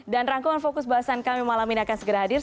dan rangkauman fokus bahasan kami malam ini akan segera hadir